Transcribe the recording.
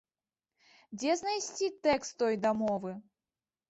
Дзе знайсці тэкст той дамовы?